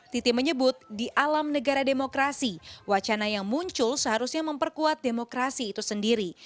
titi menyebut di alam negara demokrasi wacana yang muncul seharusnya memperkuat demokrasi itu sendiri